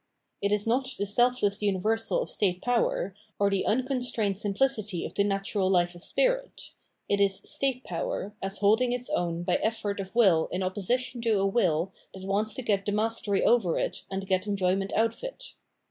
It is not the self less universal of state power, or the unconstrained simplicity of the natural life of spirit; it is state power as holding its own by effort of wiU in opposition to a will that wants to get the mastery over it and get enjoyment out of it.